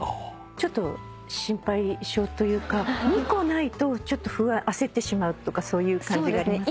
ちょっと心配性というか２個ないと焦ってしまうとかそういう感じがありますか？